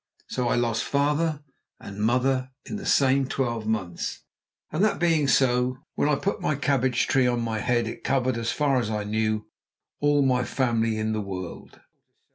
So I lost father and mother in the same twelve months, and that being so, when I put my cabbage tree on my head it covered, as far as I knew, all my family in the world.